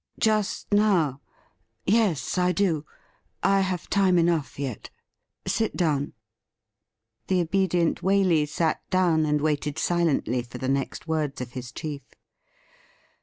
' Just now ? Yes, I do. I have time enough yet. Sit down.' The obedient Waley sat down, and waited silently for the next words of his chief.